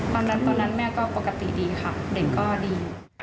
ตอนนั้นตอนนั้นแม่ก็ปกติดีค่ะเด็กก็ดี